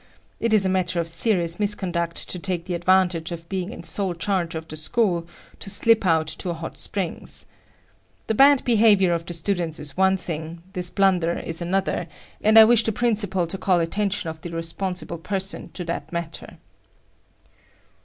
It is a matter of serious misconduct to take the advantage of being in sole charge of the school, to slip out to a hot springs. The bad behavior of the students is one thing; this blunder is another, and I wish the principal to call attention of the responsible person to that matter."